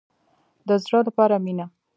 د زړه لپاره مینه.